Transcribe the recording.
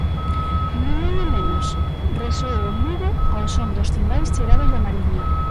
"Nin unha menos", resoou en Lugo ao son dos timbais chegados da Mariña.